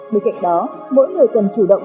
bên cạnh đó mỗi người cần chủ động